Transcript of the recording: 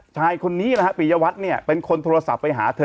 ชายคนนี้นะฮะปียวัตรเนี่ยเป็นคนโทรศัพท์ไปหาเธอ